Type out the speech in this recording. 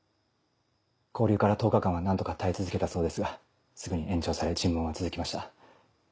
拘留から１０日間は何とか耐え続けたそうですがすぐに延長され尋問は続きました。